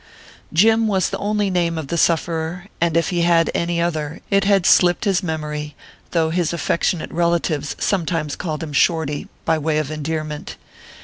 Jim was the only name of the sufferer, and if he ever had any other, it had slipped his memory, though his affectionate rel atives sometimes called him "Shorty," by way of endearment.